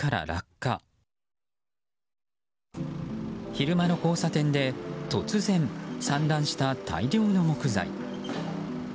昼間の交差点で突然、散乱した大量の木材。